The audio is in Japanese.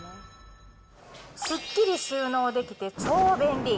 すっきり収納できて、超便利。